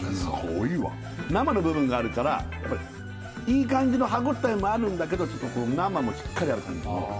すごいわ生の部分があるからいい感じの歯応えもあるんだけどちょっとこう生もしっかりある感じ